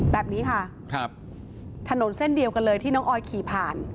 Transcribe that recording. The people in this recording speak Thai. แบบนี้ค่ะครับถนนเส้นเดียวกันเลยที่น้องออยขี่ผ่าน